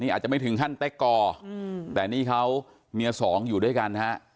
อาจจะไม่ถึงขั้นเต็กกอร์แต่นี่เขาเมียสองอยู่ด้วยกันฮะ